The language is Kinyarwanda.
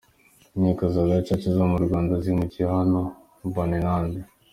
«Inkiko za Gacaca zo mu Rwanda zimukiye hano», Mbanenande